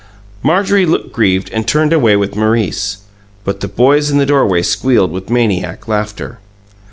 Marjorie looked grieved and turned away with Maurice; but the boys in the doorway squealed with maniac laughter.